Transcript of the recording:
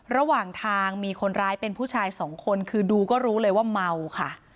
ระหว่างทางมีคนร้ายเป็นผู้ชายสองคนคือดูก็รู้เลยว่าเมาค่ะ